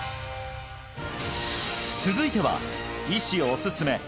続いては医師おすすめ！